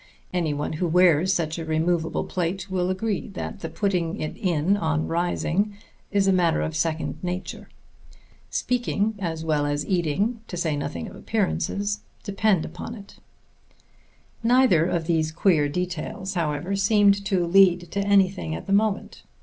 Any one who wears such a removable plate will agree that the putting it in on rising is a matter of second nature. Speaking as well as eating, to say nothing of appearances, depend upon it. Neither of these queer details, however, seemed to lead to anything at the moment.